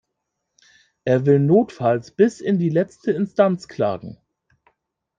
Er will notfalls bis in die letzte Instanz klagen.